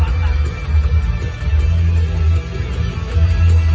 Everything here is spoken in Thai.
มันเป็นเมื่อไหร่แล้ว